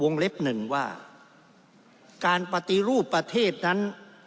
เล็บหนึ่งว่าการปฏิรูปประเทศนั้น